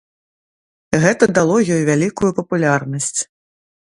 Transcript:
Гэта дало ёй вялікую папулярнасць.